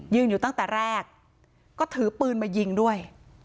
อยู่ตั้งแต่แรกก็ถือปืนมายิงด้วย